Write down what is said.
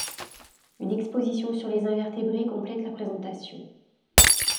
Une exposition sur les invertébrés complète la présentation.